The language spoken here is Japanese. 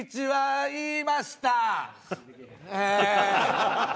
はい。